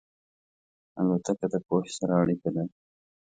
الوتکه د پوهې سره اړیکه لري.